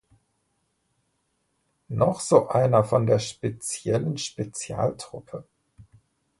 Noch so einer von der "speziellen Spezialtruppe".